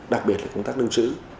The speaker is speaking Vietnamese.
đặc biệt là công tác lưu trữ